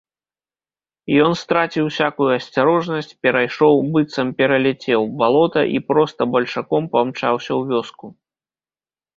Ён страціў усякую асцярожнасць, перайшоў, быццам пераляцеў, балота і проста бальшаком памчаўся ў вёску.